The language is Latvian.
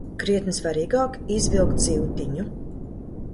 Krietni svarīgāk izvilkt zivtiņu.